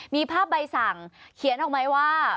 มีภาพใบสั่งเขียนออกไหมว่า